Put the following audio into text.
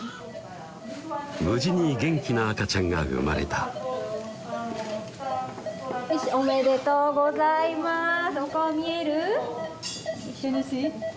無事に元気な赤ちゃんが産まれたおめでとうございますお顔見える？